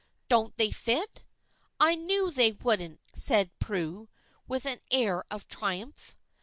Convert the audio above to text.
"Don't they fit? I knew they wouldn't!" said Prue, with an air of triumph.